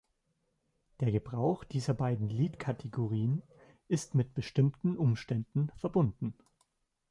Der Gebrauch dieser beiden Liedkategorien ist mit bestimmten Umständen verbunden.